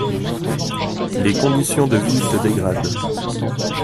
Les conditions de vie se dégradent.